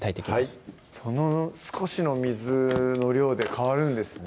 はい少しの水の量で変わるんですね